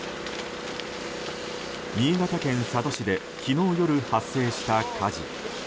新潟県佐渡市で昨日夜発生した火事。